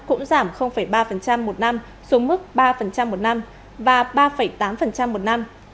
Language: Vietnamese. cũng giảm ba một năm xuống mức ba một năm và ba tám một năm